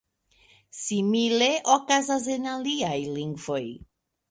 Simile okazas en aliaj lingvoj.